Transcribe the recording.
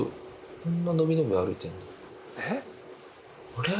こんな伸び伸び歩いてるんだ。